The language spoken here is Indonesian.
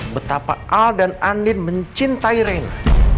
betapa al dan andin mencintai raini